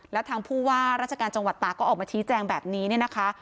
แล้วทางผู้ว่าราชการจังหวัดตาก็ออกมาชี้แจงแบบนี้เนี่ยนะคะ